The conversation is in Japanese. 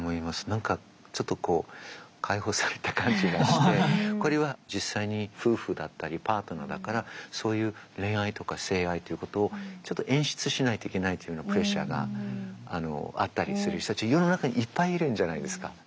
何かちょっとこう解放された感じがしてこれは実際に夫婦だったりパートナーだからそういう恋愛とか性愛ということをちょっと演出しないといけないというようなプレッシャーがあったりする人たち世の中にいっぱいいるんじゃないですか。